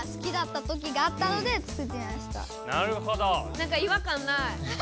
なんか違和感ない。